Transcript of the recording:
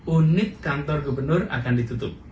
unit kantor gubernur akan ditutup